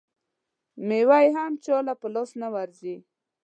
مېوه یې هم چا له په لاس نه ورځي.